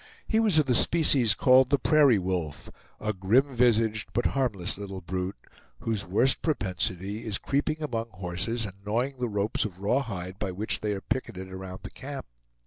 He was of the species called the prairie wolf; a grim visaged, but harmless little brute, whose worst propensity is creeping among horses and gnawing the ropes of raw hide by which they are picketed around the camp.